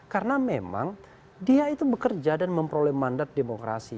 karena memang dia itu bekerja dan memperoleh mandat demokrasi